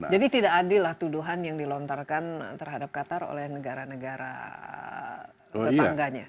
jadi tidak adillah tuduhan yang dilontarkan terhadap qatar oleh negara negara tetangganya